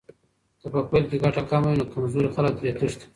که په پیل کې ګټه کمه وي، نو کمزوري خلک ترې تښتي.